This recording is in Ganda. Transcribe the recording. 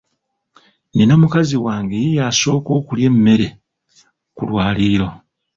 Nina mukazi wange ye asooka okulya emmere ku lwaliiriro.